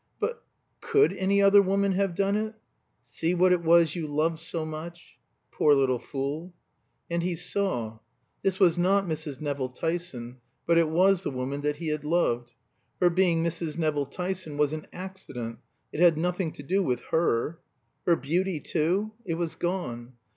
But could any other woman have done it? "See what it was you loved so much." Poor little fool! And he saw. This was not Mrs. Nevill Tyson, but it was the woman that he had loved. Her being Mrs. Nevill Tyson was an accident; it had nothing to do with her. Her beauty too? It was gone.